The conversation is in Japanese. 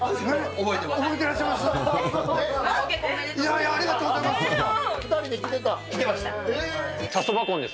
覚えてらっしゃいます？